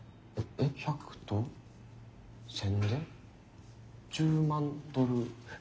え１００と１，０００で１０万ドル？